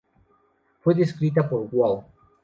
Fue descrita por Wall.